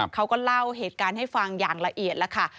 เขาก็เล่าเหตุการณ์ให้ฟังอย่างละเอียดแล้วค่ะ